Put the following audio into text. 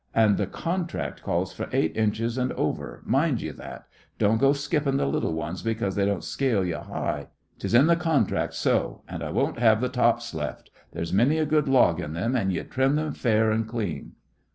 And th' contract calls for eight inches and over; mind ye that. Don't go to skippin' th' little ones because they won't scale ye high. 'Tis in the contract so. And I won't have th' tops left. There's many a good log in them, an' ye trim them fair and clean."